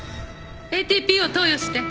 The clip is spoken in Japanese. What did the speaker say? ＡＴＰを投与して。